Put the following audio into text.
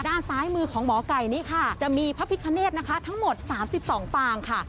ด้านซ้ายมือของหมอไก่นี่ค่ะจะมีพระพิคเนธนะคะทั้งหมด๓๒ฟางค่ะ